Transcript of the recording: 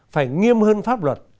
phải nghiêm hơn pháp luật